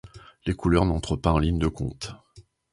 Les couleurs n'entrent pas en ligne de compte.